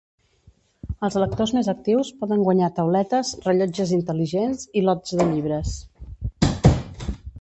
Els lectors més actius poden guanyar tauletes, rellotges intel·ligents i lots de llibres.